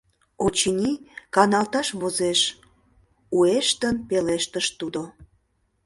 — Очыни, каналташ возеш, — уэштын пелештыш тудо.